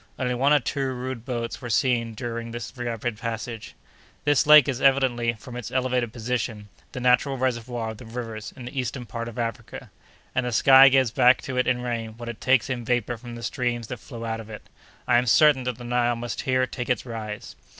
Only one or two rude boats were seen during this rapid passage. "This lake is evidently, from its elevated position, the natural reservoir of the rivers in the eastern part of Africa, and the sky gives back to it in rain what it takes in vapor from the streams that flow out of it. I am certain that the Nile must here take its rise."